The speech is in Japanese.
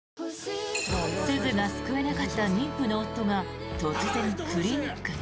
鈴が救えなかった妊婦の夫が突然、クリニックに。